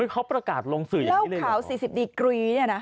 เพราะประกาศลงสื่ออย่างนี้เลยหรอเล่าขาว๔๐ดีกรีเนี่ยนะ